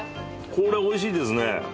これおいしいですね。